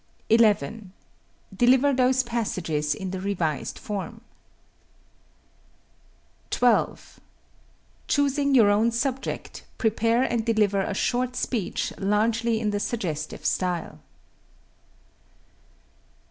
11. Deliver those passages in the revised form. 12. Choosing your own subject, prepare and deliver a short speech largely in the suggestive style.